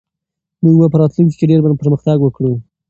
موږ به په راتلونکي کې ډېر پرمختګ وکړو.